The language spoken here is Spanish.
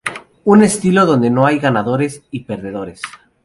Un estilo donde no hay ganadores y perdedores.